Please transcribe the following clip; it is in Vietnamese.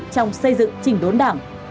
trong xây dựng trình đốn đảng